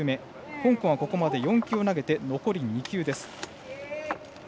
香港はここまで４球を投げて残り２球です。